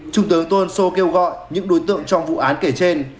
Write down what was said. trung tướng tô ân sô kêu gọi những đối tượng trong vụ án kể trên